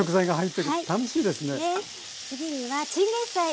次にはチンゲンサイ。